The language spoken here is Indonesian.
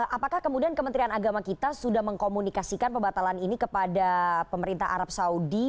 apakah kemudian kementerian agama kita sudah mengkomunikasikan pembatalan ini kepada pemerintah arab saudi